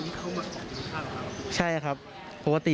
แต่วันที่จะเสียชีวิตนี้เข้ามากินข้าวหรือครับ